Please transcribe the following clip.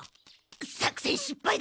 作戦失敗だ！